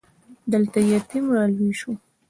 دلته يتيم را لوی شو.